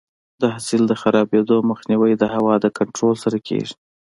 د حاصل د خرابېدو مخنیوی د هوا د کنټرول سره کیږي.